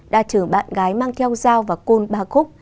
đã chở bạn gái mang theo dao và côn ba khúc